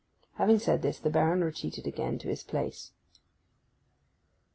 Having said this the Baron retreated again to his place.